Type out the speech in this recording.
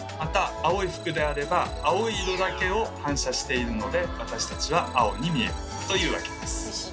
青い服であれば青い色だけを反射しているので私たちは青に見えるというわけです。